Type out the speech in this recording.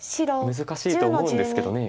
難しいと思うんですけど。